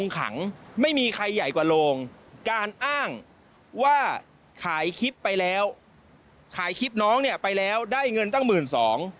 การอ้างว่าขายคลิปไปแล้วขายคลิปน้องไปแล้วได้เงินตั้ง๑๒บาท